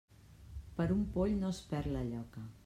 Per un poll no es perd la lloca.